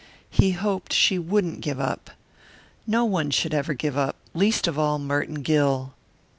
He hoped she wouldn't give up. No one should ever give up least of all Merton Gill.